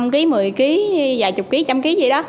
năm kg một mươi kg vài chục kg